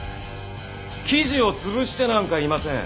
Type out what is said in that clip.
記事を潰してなんかいません。